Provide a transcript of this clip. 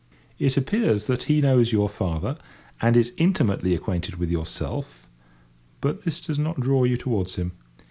It appears that he knows your father, and is intimately acquainted with yourself, but this does not draw you towards him.